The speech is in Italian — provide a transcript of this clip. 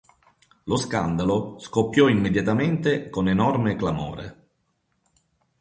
Lo scandalo scoppiò immediatamente con enorme clamore.